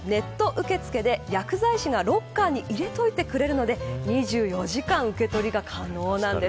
受け付けで薬剤師がロッカーに入れておいてくれるので２４時間受け取りが可能なんです。